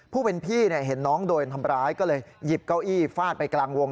ผู้เป็นพี่เห็นน้องโดนทำร้ายก็เลยหยิบเก้าอี้ฟาดไปกลางวง